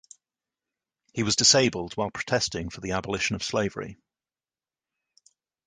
He was disabled while protesting for the abolition of slavery.